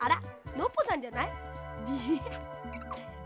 ノッポさんじゃない？ハハハ。